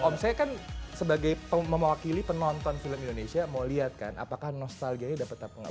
om saya kan sebagai mewakili penonton film indonesia mau lihat kan apakah nostalgianya dapat apa nggak